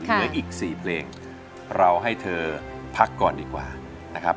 เหลืออีก๔เพลงเราให้เธอพักก่อนดีกว่านะครับ